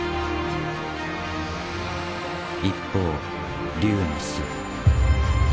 一方龍の巣。